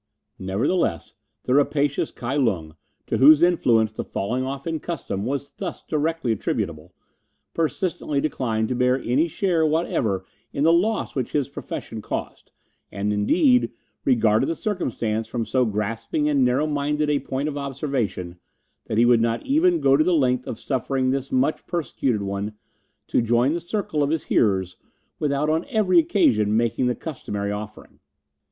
Nevertheless, the rapacious Kai Lung, to whose influence the falling off in custom was thus directly attributable, persistently declined to bear any share whatever in the loss which his profession caused, and, indeed, regarded the circumstance from so grasping and narrow minded a point of observation that he would not even go to the length of suffering this much persecuted one to join the circle of his hearers without on every occasion making the customary offering.